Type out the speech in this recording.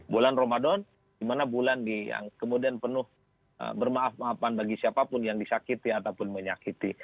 bulan ramadan di mana bulan yang kemudian penuh bermaaf maafan bagi siapapun yang disakiti ataupun menyakiti